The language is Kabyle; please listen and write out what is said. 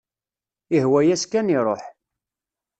Ihwa-yas kan iruḥ.